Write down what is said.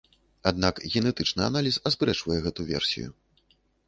Аднак генетычны аналіз аспрэчвае гэту версію.